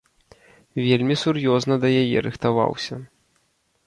Вельмі сур'ёзна да яе рыхтаваўся.